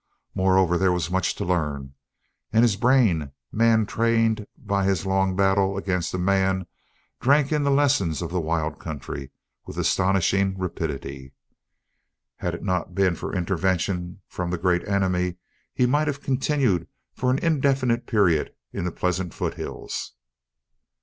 Moreover, there was much to learn, and his brain, man trained by his long battle against a man, drank in the lessons of the wild country with astonishing rapidity. Had it not been for intervention from the Great Enemy, he might have continued for an indefinite period in the pleasant foothills.